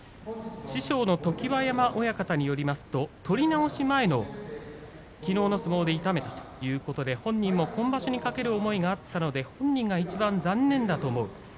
師匠の常盤山親方によりますと取り直し前のきのうの相撲で痛めたということで、本人も今場所に懸ける思いがあったので本人がいちばん残念だと思う。